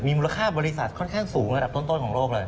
มูลค่าบริษัทค่อนข้างสูงระดับต้นของโลกเลย